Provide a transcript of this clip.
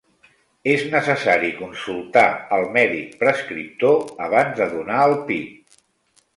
És necessari consultar al mèdic prescriptor abans de donar el pit.